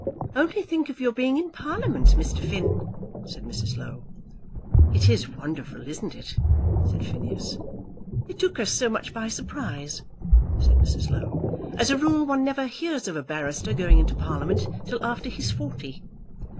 "Only think of your being in Parliament, Mr. Finn," said Mrs. Low. "It is wonderful, isn't it?" said Phineas. "It took us so much by surprise!" said Mrs. Low. "As a rule one never hears of a barrister going into Parliament till after he's forty."